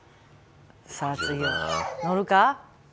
さあ次はのるか？